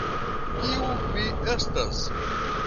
Kiu mi estas?